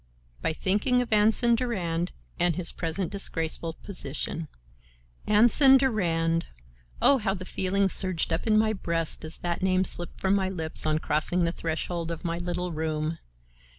By thinking of Anson Durand and his present disgraceful position. Anson Durand! Oh, how the feeling surged up in my breast as that name slipped from my lips on crossing the threshold of my little room!